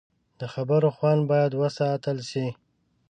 د خبرو خوند باید وساتل شي